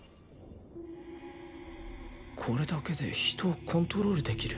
これだけで人をコントロールできる？